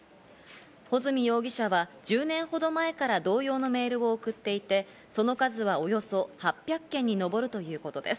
保住容疑者は１０年ほど前から同様のメールを送っていて、その数はおよそ８００件にのぼるということです。